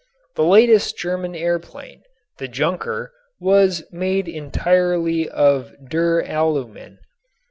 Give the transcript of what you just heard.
The latest German airplane, the "Junker," was made entirely of duralumin.